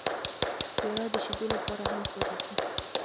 پیاله د شیدو لپاره هم کارېږي.